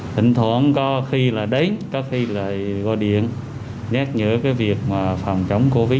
thỉnh thoảng có khi là đến có khi là gọi điện nhắc nhở cái việc mà phòng chống covid